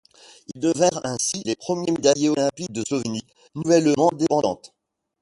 Ils devinrent ainsi les premiers médaillés olympiques de Slovénie, nouvellement indépendante.